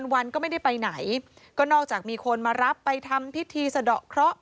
วันก็ไม่ได้ไปไหนก็นอกจากมีคนมารับไปทำพิธีสะดอกเคราะห